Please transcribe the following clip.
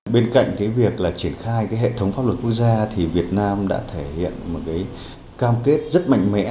bên cạnh việc triển khai hệ thống pháp luật quốc gia việt nam đã thể hiện một cam kết rất mạnh mẽ